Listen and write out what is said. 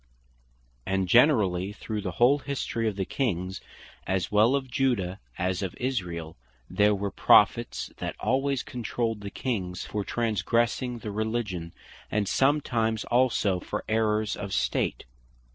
And generally through the whole History of the Kings, as well of Judah, as of Israel, there were Prophets that alwaies controlled the Kings, for transgressing the Religion; and sometimes also for Errours of State; (2 Chro.